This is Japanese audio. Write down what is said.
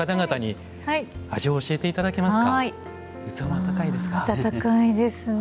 温かいですね。